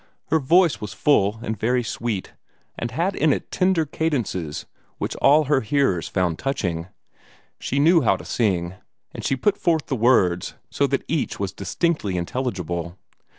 Her voice was full and very sweet, and had in it tender cadences which all her hearers found touching. She knew how to sing, and she put forth the words so that each was distinctly intelligible.